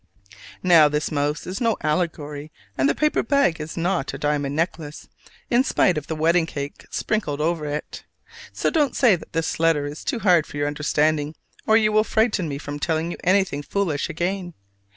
Now this mouse is no allegory, and the paper bag is not a diamond necklace, in spite of the wedding cake sprinkled over it! So don't say that this letter is too hard for your understanding, or you will frighten me from telling you anything foolish again.